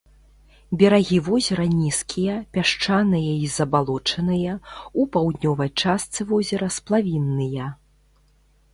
Берагі возера нізкія, пясчаныя і забалочаныя, у паўднёвай частцы возера сплавінныя.